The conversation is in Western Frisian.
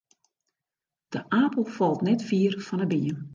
De apel falt net fier fan 'e beam.